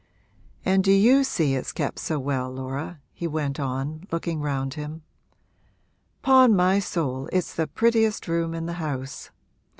And do you see it's kept so well, Laura?' he went on, looking round him. ''Pon my soul, it's the prettiest room in the house.